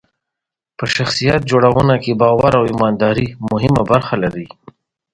په شخصیت جوړونه کې باور او ایمانداري مهمه برخه لري.